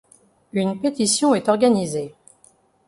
Une pétition est organisée.